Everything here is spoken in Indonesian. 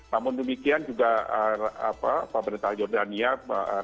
namun demikian juga pak berta yordania raja yordania